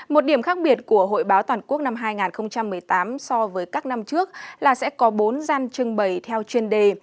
một điểm khác biệt của hội báo toàn quốc năm hai nghìn một mươi tám so với các năm trước là sẽ có bốn gian trưng bày theo chuyên đề